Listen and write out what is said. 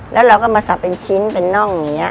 แล้วเราก็มาสับเป็นชิ้นเป็นน่องอย่างนี้